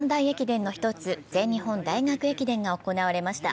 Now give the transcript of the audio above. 学生三大駅伝の１つ、全日本大学駅伝が行われました。